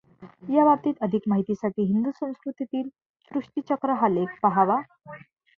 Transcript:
या बाबतीत अधिक माहितीसाठी हिंदु संस्कृतीतील सृष्टिचक्र हा लेख पहावा.